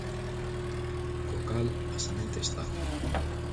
Co cal, a semente está.